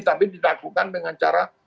tapi dilakukan dengan cara